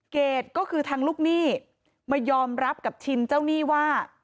เกดก็คือทางลูกหนี้มายอมรับกับชินเจ้าหนี้ว่า